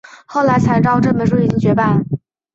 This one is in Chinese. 后来才知道这本书已经绝版